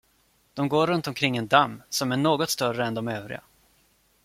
De går runt omkring en damm, som är något större än de övriga.